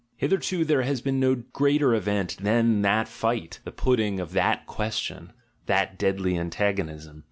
Hitherto there has been no greater event than that fight, the putting of that question, that deadly antagonism.